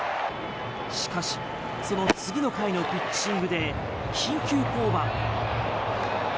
しかしその次の回のピッチングで緊急降板。